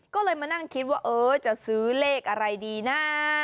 ก็เลยมานั่งคิดว่าเออจะซื้อเลขอะไรดีนะ